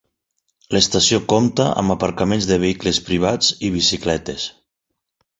L'estació compta amb aparcaments de vehicles privats i bicicletes.